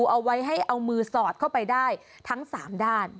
เอาไว้ให้เอามือสอดเข้าไปได้ทั้ง๓ด้าน